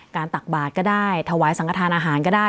ตักบาทก็ได้ถวายสังกระทานอาหารก็ได้